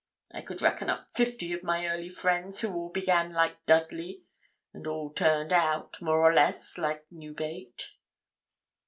I could reckon up fifty of my early friends who all began like Dudley, and all turned out, more or less, like Newgate.'